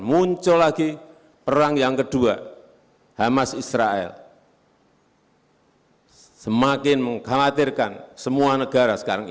muncul lagi perang yang kedua hamas israel semakin mengkhawatirkan semua negara sekarang